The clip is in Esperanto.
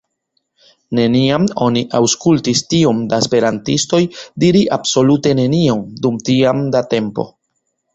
Neniam oni aŭskultis tiom da esperantistoj diri alsolute nenion dum tiam da tempo.